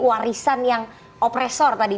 warisan yang opresor tadi